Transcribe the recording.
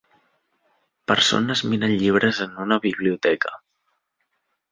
Persones miren llibres en una biblioteca.